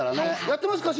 やってますか？